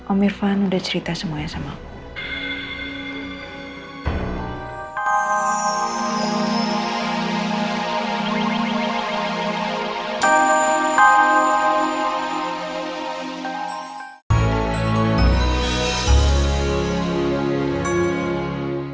om irfan udah cerita semuanya sama aku